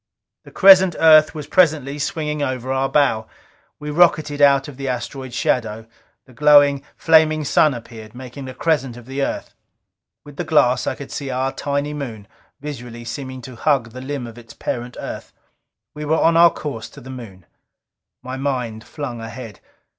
The crescent Earth was presently swinging over our bow. We rocketed out of the asteroid's shadow. The glowing, flaming Sun appeared, making a crescent of the Earth. With the glass I could see our tiny Moon, visually seeming to hug the limb of its parent Earth. We were on our course to the Moon. My mind flung ahead.